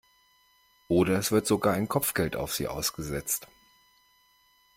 Oder es wird sogar ein Kopfgeld auf sie ausgesetzt.